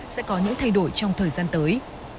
sẽ có những thay đổi trong thời gian tới